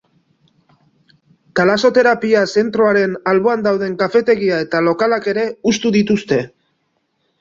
Talasoterapia zentroaren alboan dauden kafetegia eta lokalak ere hustu dituzte.